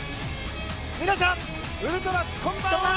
皆さん、ウルトラこんばんは！